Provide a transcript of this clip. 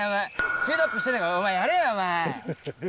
スピードアップしてんだからやれよお前。